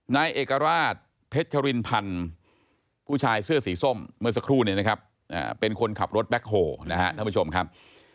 นายเอกราชเพชรินพันธ์ผู้ชายเสื้อสีส้มเมื่อสักครู่เนี่ยนะครับเป็นคนขับรถแบ็คโฮนะครับท่านผู้ชมครับ